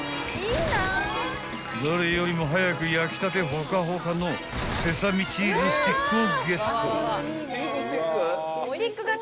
［誰よりも早く焼きたてほかほかのセサミチーズスティックをゲット］